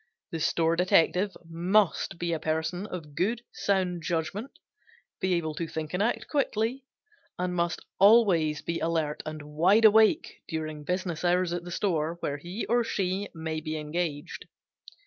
The store detective must be a person of good, sound judgment, be able to think and act quickly, and must always be alert and wide awake during business hours at the store where he or she may be engaged.